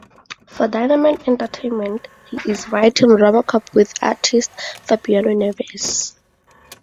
For Dynamite Entertainment he is writing "RoboCop", with artist Fabiano Neves.